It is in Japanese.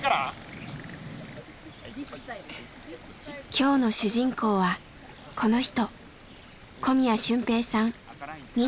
今日の主人公はこの人。